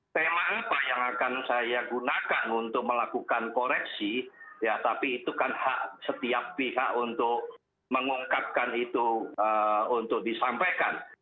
tema apa yang akan saya gunakan untuk melakukan koreksi ya tapi itu kan hak setiap pihak untuk mengungkapkan itu untuk disampaikan